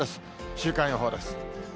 週間予報です。